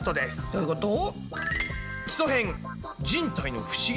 どういうこと？